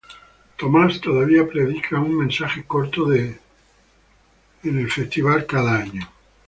Thomas todavía predica un mensaje corto en Creation Festival cada año.